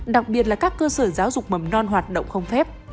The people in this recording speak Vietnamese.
đặc biệt là các cơ sở giáo dục mầm non hoạt động không phép